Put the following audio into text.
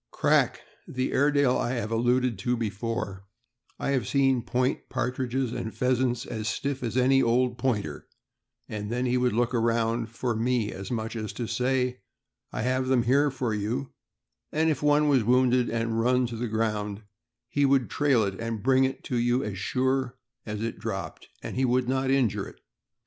Crack, the Airedale I alluded to before, I have seen point partridges and pheasants as stiff as any old Pointer; then he would take a look around for me, as much as to say, " I have them here for you;" and if one was wounded and run on the ground, he would trail it and bring it to you as sure as it dropped, and would not injure it.